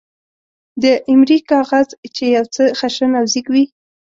د ایمرۍ کاغذ، چې یو څه خشن او زېږ وي.